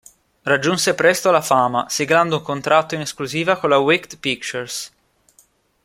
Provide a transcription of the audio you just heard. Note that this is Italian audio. Raggiunse presto la fama, siglando un contratto in esclusiva con la Wicked Pictures.